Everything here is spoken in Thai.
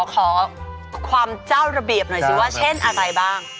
ขอความเจ้าระเบียบหน่อยสิว่าเช่นอะไรบ้าง